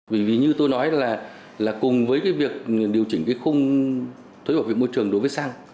vì như tôi nói là cùng với việc điều chỉnh khung thuế bảo vệ môi trường đối với xăng